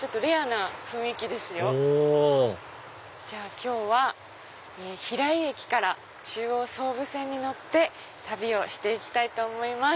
今日は平井駅から中央・総武線に乗って旅をして行きたいと思います。